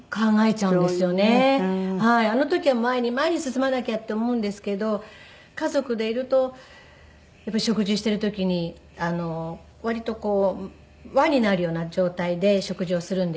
あの時は前に前に進まなきゃって思うんですけど家族でいるとやっぱり食事している時に割とこう輪になるような状態で食事をするんですけど。